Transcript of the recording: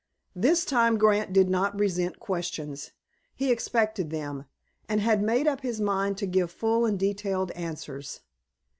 This time Grant did not resent questions. He expected them, and had made up his mind to give full and detailed answers.